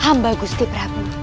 hamba gusti prabu